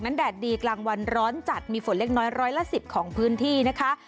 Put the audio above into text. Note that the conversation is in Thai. แดดดีกลางวันร้อนจัดมีฝนเล็กน้อยร้อยละ๑๐ของพื้นที่นะคะ